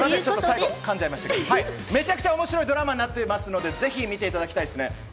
めちゃくちゃ面白いドラマになってますので、ぜひ見てください。